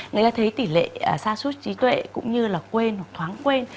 người ta thấy tỷ lệ sa sút trí tuệ cũng như là quên hoặc thoáng quên